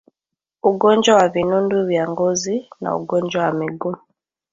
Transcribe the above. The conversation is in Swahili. ugonjwa wa vinundu vya ngozi na ugonjwa wa miguu